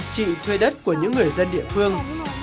chị thuê đất của những người dân địa phương